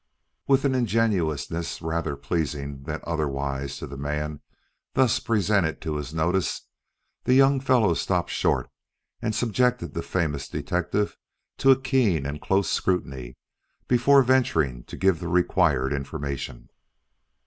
With an ingenuousness rather pleasing than otherwise to the man thus presented to his notice, the young fellow stopped short and subjected the famous detective to a keen and close scrutiny before venturing to give the required information.